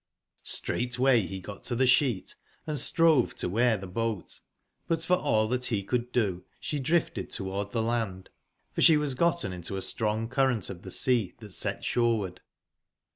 Straight way he got to the sheet, & strove to wear the boat ; but for all that he could do she drifted toward the land, for she was gotten into a strong current of the sea that set shoreward.